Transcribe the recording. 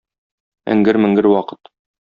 Эңгер-меңгер вакыт.